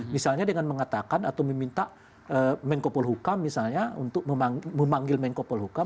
misalnya dengan mengatakan atau meminta menko polhukam misalnya untuk memanggil menko polhukam